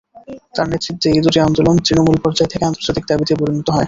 তাঁর নেতৃত্বেই এ দুটি আন্দোলন তৃণমূল পর্যায় থেকে আন্তর্জাতিক দাবিতে পরিণত হয়।